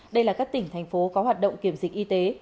đây là các tỉnh thành phố có hoạt động kiểm dịch y tế